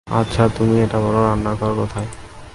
আচ্ছা তুমি এটা বলো রান্নাঘর কোথায়?